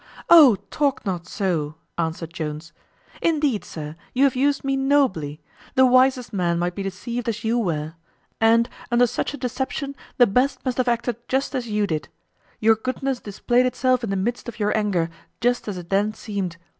"O, talk not so!" answered Jones; "indeed, sir, you have used me nobly. The wisest man might be deceived as you were; and, under such a deception, the best must have acted just as you did. Your goodness displayed itself in the midst of your anger, just as it then seemed.